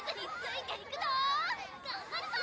頑張るぞ！